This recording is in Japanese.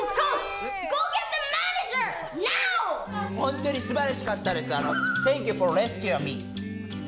ほんとにすばらしかったです。